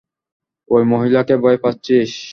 ওই মহিলাকে ভয় পাচ্ছিস?